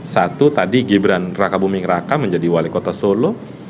satu tadi gibran raka buming raka menjadi wali kota solo